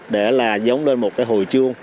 để là dống lên một cái hồi chuông